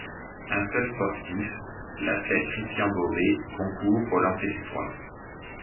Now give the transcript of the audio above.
Un seul sportif, l'athlète Christian Gobé, concourt au lancer du poids.